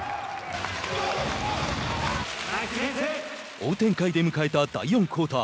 追う展開で迎えた第４クオーター。